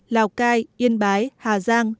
lào cai yên bái hà giang